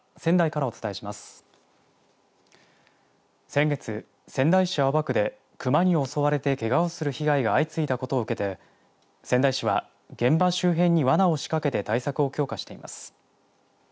先月、仙台市青葉区でクマに襲われてけがをする被害が相次いだことを受けて仙台市は現場周辺にわなを仕掛けて対策を強化しています。